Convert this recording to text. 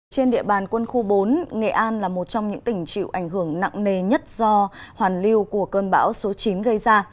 trên địa bàn quân khu bốn nghệ an là một trong những tỉnh chịu ảnh hưởng nặng nề nhất do hoàn lưu của cơn bão số chín gây ra